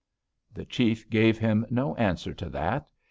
"The chief gave him no answer to that.